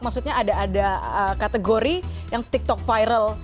maksudnya ada ada kategori yang tiktok viral